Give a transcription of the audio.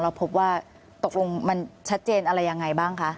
พบว่าตกลงมันชัดเจนอะไรยังไงบ้างคะ